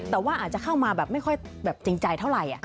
แต่ว่าอาจจะเข้ามาแบบไม่ค่อยแบบจริงใจเท่าไหร่